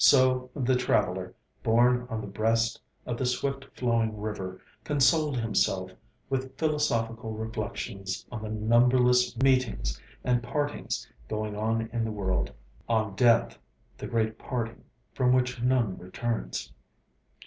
So the traveller, borne on the breast of the swift flowing river, consoled himself with philosophical reflections on the numberless meetings and partings going on in the world on death, the great parting, from which none returns.